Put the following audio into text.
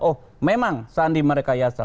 oh memang sandi marekayasa